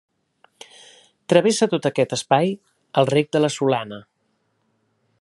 Travessa tot aquest espai el Rec de la Solana.